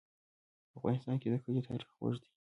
په افغانستان کې د کلي تاریخ اوږد دی.